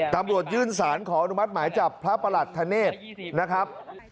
ตำรวจยื่นสารขออนุมัติหมายจับพระประหลัดธเนธนะครับ